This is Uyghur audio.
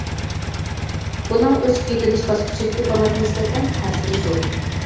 بۇنىڭ ئۆسۈپ يېتىلىش باسقۇچىدىكى بالىلارغا نىسبەتەن تەسىرى زور.